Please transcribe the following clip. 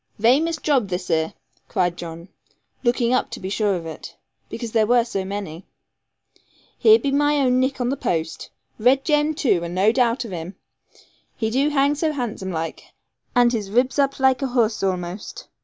'Vamous job this here,' cried John, looking up to be sure of it, because there were so many; 'here be my own nick on the post. Red Jem, too, and no doubt of him; he do hang so handsome like, and his ribs up laike a horse a'most.